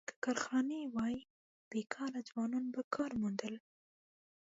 که کارخانې وای، بېکاره ځوانان به کار موندل.